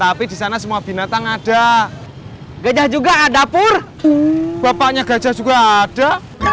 tapi di sana semua binatang ada gajah juga ada pur bapaknya gajah juga ada